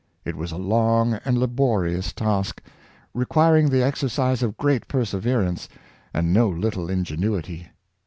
It was a long and laborious task, requiring the exercise of great perseverance and no little ingenuity.